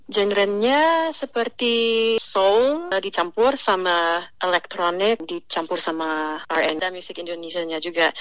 genrennya seperti soul dicampur sama elektronik dicampur sama r b dan musik indonesia juga